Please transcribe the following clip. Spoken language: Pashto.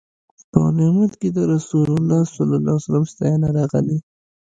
په نعت کې د رسول الله صلی الله علیه وسلم ستاینه راغلې.